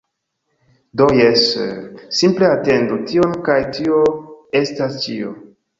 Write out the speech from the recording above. Do, jes... simple atendu tion kaj tio estas ĉio